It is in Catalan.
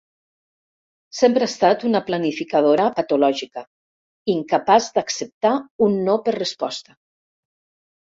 Sempre ha estat una planificadora patològica, incapaç d'acceptar un no per resposta.